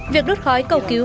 việc đốt khói cầu cứu